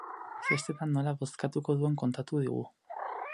Festetan nola bozkatuko duen kontatu digu.